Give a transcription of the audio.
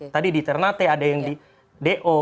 tadi di ternate ada yang di do